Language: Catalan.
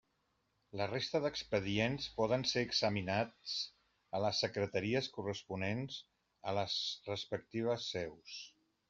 La resta d'expedients poden ser examinats a les Secretaries corresponents, a les respectives seus.